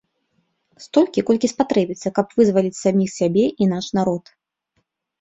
Столькі, колькі спатрэбіцца, каб вызваліць саміх сябе і наш народ.